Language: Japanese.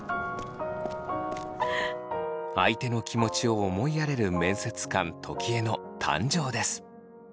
相手の気持ちを思いやれる面接官時枝の誕生です。